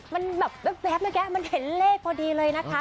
มันแบบแป๊บมันเห็นเลขพอดีเลยนะคะ